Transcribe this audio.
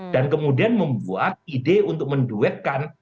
dan kemudian membuat ide untuk menduetkan